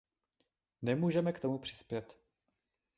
Nemůžeme k tomu přispět.